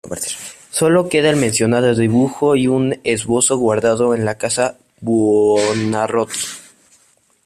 Solo queda el mencionado dibujo y un esbozo guardado en la casa Buonarroti.